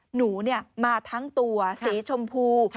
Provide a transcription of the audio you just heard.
หนูมาทั้งตัวสีชมพู